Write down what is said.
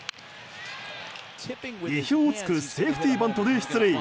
意表を突くセーフティーバントで出塁。